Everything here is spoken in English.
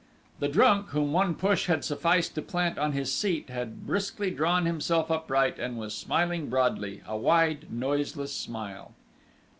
The "drunk" whom one push had sufficed to plant on his seat, had briskly drawn himself upright and was smiling broadly, a wide, noiseless smile!